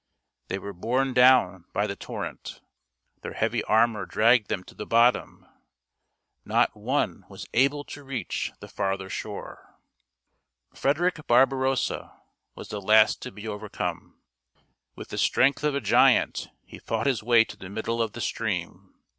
They were borne down by the torrent; their heavy armor dragged them to the bottom ; not one was able to reach the farther shore. Frederick Barbarossa was the last to be over come. With the strength of a giant he fought his way to the middle of the stream.